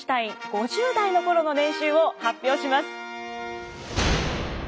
５０代の頃の年収を発表します。